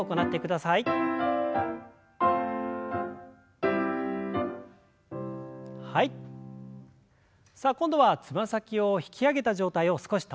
さあ今度はつま先を引き上げた状態を少し保ちます。